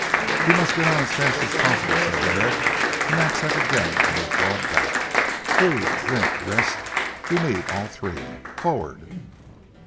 "We must get on as fast as possible," said Herrick, the knapsack again on his broad back. "Food, drink, rest; you need all three. Forward!"